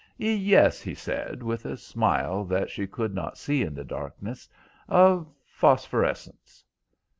"Yes," he said, with a smile that she could not see in the darkness, "of phosphorescence."